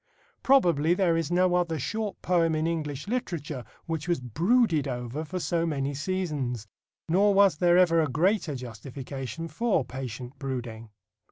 Probably there is no other short poem in English literature which was brooded over for so many seasons. Nor was there ever a greater justification for patient brooding.